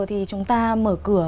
thì chúng ta mở cửa